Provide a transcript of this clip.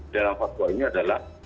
dalam fatwa ini adalah